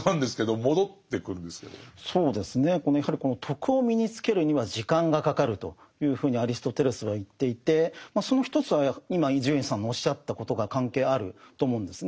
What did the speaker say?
そうですねやはりこの「徳」を身につけるには時間がかかるというふうにアリストテレスは言っていてその一つは今伊集院さんのおっしゃったことが関係あると思うんですね。